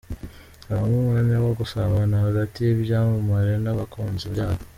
Habamo umwanya wo gusabana hagati y’ibyamamare n’abakunzi babyo.